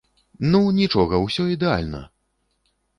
Ну, нічога, усё ідэальна!